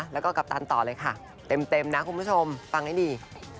แล้วก็กัปตันต่อเลยค่ะเต็มนะคุณผู้ชมฟังให้ดี